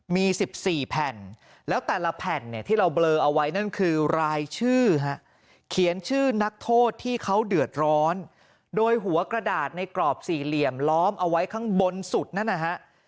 มี๑๔แผ่นแล้วแต่ละแผ่นเนี่ยที่เราเบลอเอาไว้นั่นคือรายชื่อฮะเขียนชื่อนักโทษที่เขาเดือดร้อนโดยหัวกระดาษในกรอบสี่เหลี่ยมล้อมเอาไว้ข้างบนสุดนั่นนะฮะ